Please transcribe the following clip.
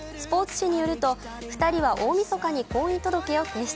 紙によると、２人は大みそかに婚姻届を提出。